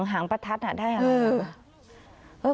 หางประทัดได้อะไร